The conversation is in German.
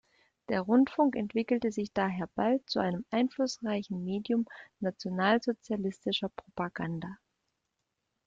Der Rundfunk entwickelte sich daher bald zu einem einflussreichen Medium nationalsozialistischer Propaganda.